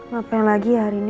ngapain lagi hari ini